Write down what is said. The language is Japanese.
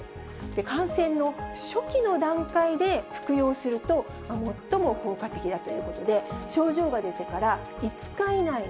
感染の初期の段階で服用すると、最も効果的だということで、症状が出てから５日以内に、